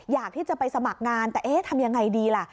อยากที่จะไปสมัครงานแต่เอ๊ะทำยังไงดีล่ะ